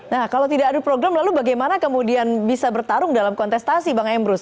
nah kalau tidak adu program lalu bagaimana kemudian bisa bertarung dalam kontestasi bang emrus